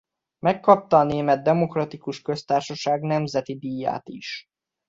Megkapta a Német Demokratikus Köztársaság Nemzeti Díját is.